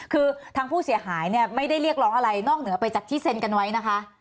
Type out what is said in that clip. คือทางผู้เสียหายเนี่ยไม่ได้เรียกร้องอะไรนอกเหนือไปจากที่เซ็นกันไว้นะคะ